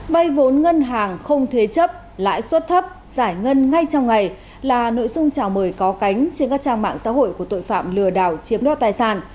vay vốn ngân hàng không thế chấp lãi suất thấp giải ngân ngay trong ngày là nội dung chào mời có cánh trên các trang mạng xã hội của tội phạm lừa đảo chiếm đo tài sản